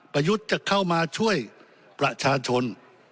ประยุทธ์จะเข้ามาช่วยประชาชน